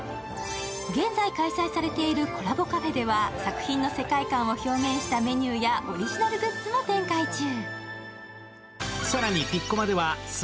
現在開催されているコラボカフェでは、作品の世界観を表現したメニューやオリジナルグッズも展開中。